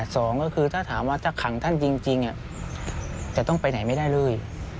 สองก็คือถ้าถามว่าถ้าขังท่านจริงจะต้องไปไหนไม่ได้เลย